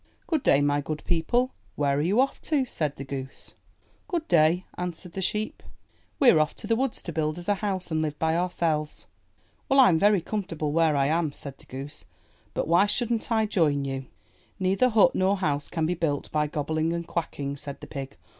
''Good day, my good people. Where are you off to?*' said the goose. ''Good day," answered the sheep. "We're off to 279 MY BOOK HOUSE the woods to build us a house and live by our selves." 'Well, Vm very comfortable where I am," said the goose. But why shouldn't I join you?" ^'Neither hut nor house can be built by gobbling and quacking," said the pig.